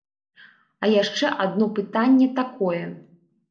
А яшчэ адно пытанне такое.